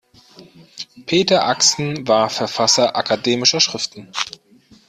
Peter Axen war Verfasser akademischer Schriften.